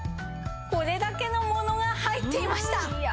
これだけのものが入っていました！